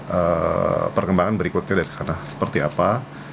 jadi perkembangan berikutnya dari sana seperti apa